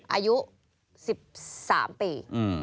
อายุ๑๓ปี